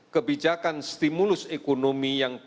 kebijakan stimulus ekonomi yang